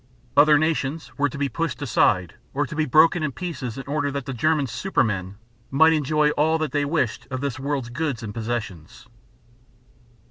Other nations were to be pushed aside or be broken to pieces in order that the German "super men" might enjoy all that they wished of this world's goods and possessions.